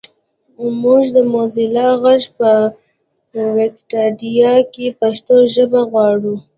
مونږ د موزیلا غږ په ویکیپېډیا کې پښتو ژبه غواړو